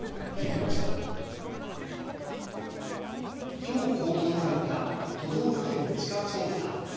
きょう公表された都道府県地価調査。